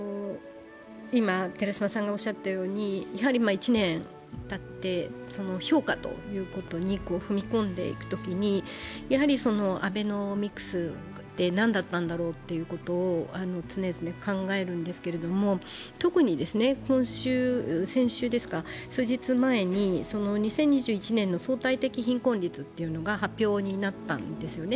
１年たって、評価ということに踏み込んでいくときにアベノミクスってなんだったんだろうということを常々考えるんですけれども、特に先週、数日前に、２０２１年の相対的貧困率っていうのが発表になったんですね